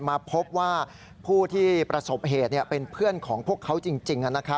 มาพบว่าผู้ที่ประสบเหตุเป็นเพื่อนของพวกเขาจริง